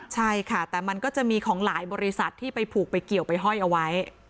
ใช่ค่ะแต่มันก็จะมีของหลายบริษัทที่ไปผูกไปเกี่ยวไปห้อยเอาไว้